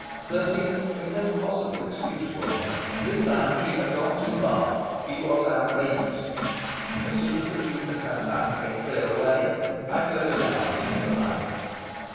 There seemed to be no possible excuse for her. This time she had gone too far. She was outrageous. As soon as the Duke had had time to get clear away, I floated out into the night.